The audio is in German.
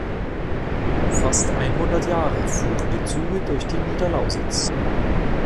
Fast einhundert Jahre fuhren die Züge durch die Niederlausitz.